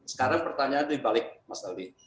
sekarang pertanyaan di balik mas aldi